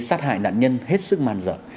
sát hại nạn nhân hết sức màn dở